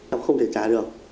em không thể trả được